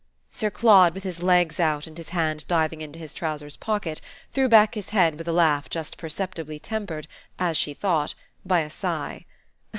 Sir Claude, with his legs out and his hand diving into his trousers pocket, threw back his head with a laugh just perceptibly tempered, as she thought, by a sigh.